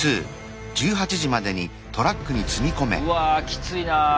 うわきついな。